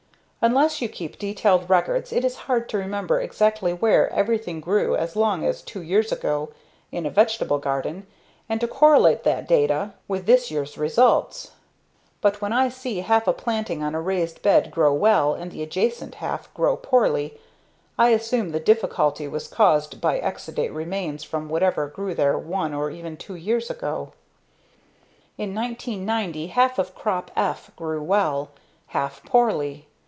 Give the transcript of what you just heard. Unless you keep detailed records, it is hard to remember exactly where everything grew as long as two years ago in a vegetable garden and to correlate that data with this year's results. But when I see half a planting on a raised bed grow well and the adjacent half grow poorly, I assume the difficulty was caused by exudate remains from whatever grew there one, or even, two years ago. In 1990, half of crop "F" grew well, half poorly.